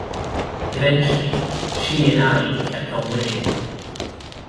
Eventually, she and Ali kept on winning.